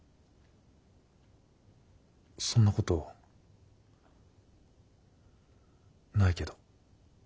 そんなことないけど。